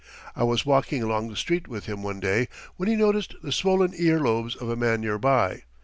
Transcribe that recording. I was walking along the street with him one day when he noticed the swollen ear lobes of a man near by.